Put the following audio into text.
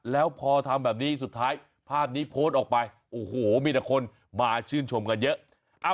แล้วพอทำแบบนี้สุดท้ายภาพนี้โพสต์ออกไปโอ้โหมีแต่คนมาชื่นชมกันเยอะ